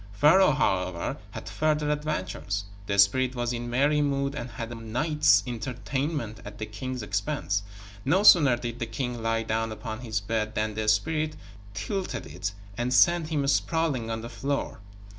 Pharaoh, however, had further adventures. The spirit was in merry mood and had a night's entertainment at the king's expense. No sooner did the king lie down upon his bed than the spirit tilted it and sent him sprawling on the floor.